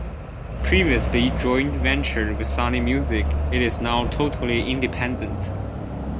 Previously joint ventured with Sony Music, it is now totally independent.